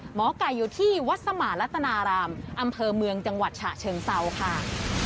หมอไก่อยู่ที่วัดสมานรัตนารามอำเภอเมืองจังหวัดฉะเชิงเซาค่ะ